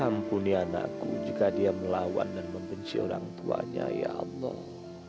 ampuni anakku jika dia melawan dan membenci orang tuanya ya allah